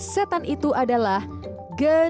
setan itu adalah genruwo